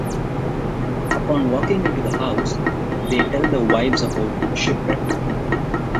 Upon walking into the house, they tell the wives about the shipwreck.